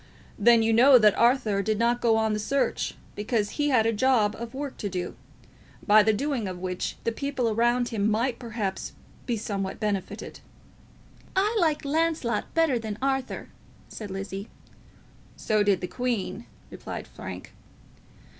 "Then you know that Arthur did not go on the search, because he had a job of work to do, by the doing of which the people around him might perhaps be somewhat benefited." "I like Launcelot better than Arthur," said Lizzie. "So did the Queen," replied Frank.